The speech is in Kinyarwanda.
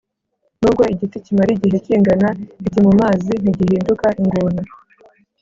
nubwo igiti kimara igihe kingana iki mumazi ntigihinduka ingona